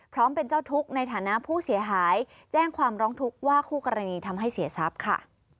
พร้อมเป็นเจ้าทุกข์ในฐานะผู้เสียหายแจ้งความร้องทุกข์ว่าคู่กรณีทำให้เสียทรัพย์ค่ะ